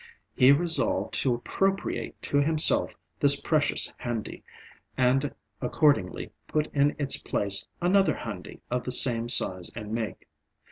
He resolved to appropriate to himself this precious handi, and accordingly put in its place another handi of the same size and make.